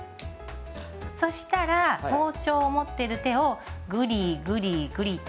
そしたら包丁を持ってる手をグリグリグリと。